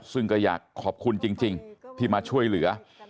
ซึ่งก็อยากขอบคุณจริงที่มาช่วยเหลือ